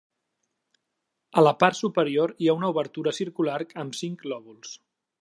A la part superior hi ha una obertura circular amb cinc lòbuls.